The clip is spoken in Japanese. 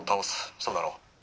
そうだろ？」。